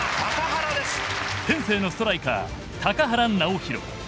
天性のストライカー高原直泰。